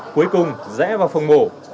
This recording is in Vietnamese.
cuối cùng rẽ vào phòng mổ